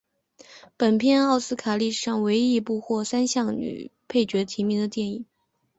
本片奥斯卡历史上唯一一部获得三项女配角提名的电影。